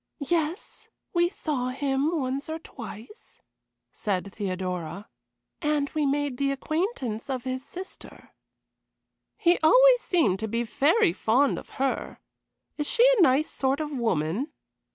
"Yes, we saw him once or twice," said Theodora, "and we made the acquaintance of his sister." "He always seemed to be very fond of her. Is she a nice sort of woman?"